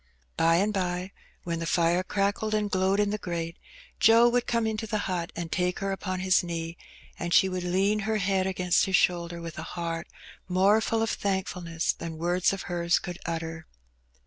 By and bye, when the fire crackled and glowed in the grate^ Joe would come into the hut and take her upon his knee, and she would lean her head against his shoulder with a heart more full of thankfulness than words of hers could utter.